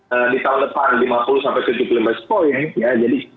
ee di tahun depan lima puluh sampai tujuh puluh poin ya jadi